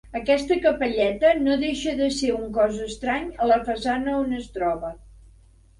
Aquesta capelleta no deixa d'ésser un cos estrany a la façana on es troba.